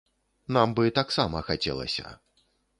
Нам бы таксама хацелася.